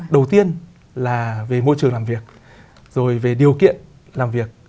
đầu tiên là về môi trường làm việc rồi về điều kiện làm việc